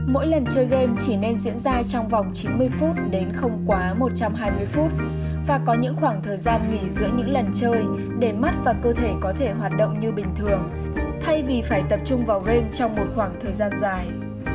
mỗi lần chơi game chỉ nên diễn ra trong vòng chín mươi phút đến không quá một trăm hai mươi phút và có những khoảng thời gian nghỉ giữa những lần chơi để mắt và cơ thể có thể hoạt động như bình thường thay vì phải tập trung vào game trong một khoảng thời gian dài